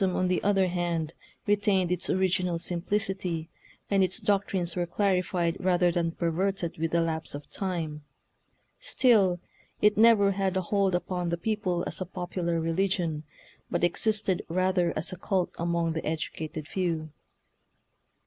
Shintoism, on the other hand, retained its original simplicity, and its doctrines were clarified rather than per verted with the lapse of time. Still, it never had a hold upon the people as a popular religion, but existed rather as a cult among the educated few.